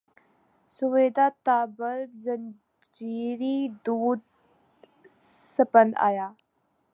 سویدا تا بلب زنجیری دود سپند آیا